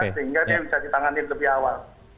sehingga dia bisa ditangani lebih awal